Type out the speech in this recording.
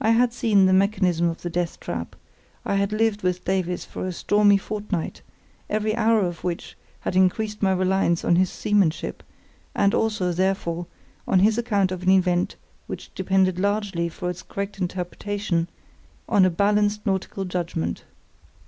I had seen the mechanism of the death trap; I had lived with Davies for a stormy fortnight, every hour of which had increased my reliance on his seamanship, and also, therefore, on his account of an event which depended largely for its correct interpretation on a balanced nautical judgement.